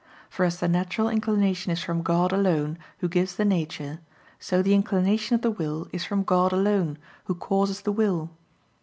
For as the natural inclination is from God alone Who gives the nature, so the inclination of the will is from God alone, Who causes the will.